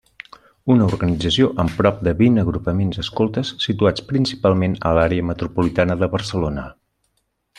Una organització amb prop de vint agrupaments escoltes situats principalment a l'àrea metropolitana de Barcelona.